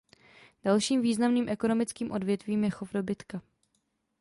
Dalším významným ekonomickým odvětvím je chov dobytka.